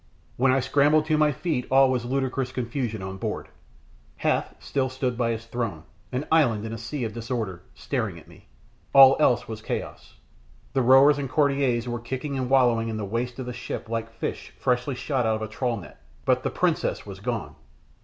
When I scrambled to my feet all was ludicrous confusion on board. Hath still stood by his throne an island in a sea of disorder staring at me; all else was chaos. The rowers and courtiers were kicking and wallowing in the "waist" of the ship like fish newly shot out of a trawl net, but the princess was gone.